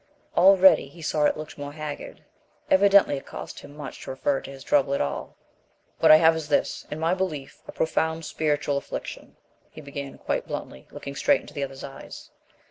Already, he saw, it looked more haggard. Evidently it cost him much to refer to his trouble at all. "What I have is, in my belief, a profound spiritual affliction," he began quite bluntly, looking straight into the other's eyes.